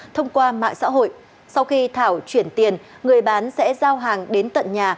thông qua mạng xã hội sau khi thảo chuyển tiền người bán sẽ giao hàng đến tận nhà